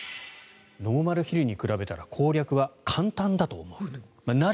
ノーマルヒルに比べたら攻略は簡単だと思う。